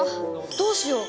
どうしよう？